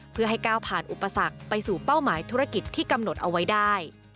เพื่อให้ก้าวผ่านอุปสรรคไปสู่เป้าหมายธุรกิจที่กำหนดเอาไว้ได้